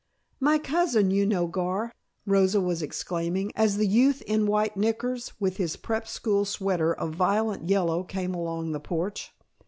"My cousin, you know, Gar," Rosa was exclaiming, as the youth in white knickers, with his prep school sweater of violent yellow, came along the porch.